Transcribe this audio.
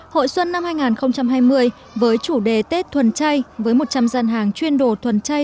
hội xuân năm hai nghìn hai mươi với chủ đề tết thuần chay với một trăm linh gian hàng chuyên đồ thuần chay